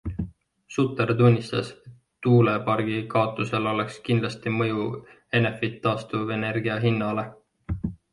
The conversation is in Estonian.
Sutter tunnistas, et tuulepargi kaotusel oleks kindlasti mõju Enefit Taastuvenergia hinnale.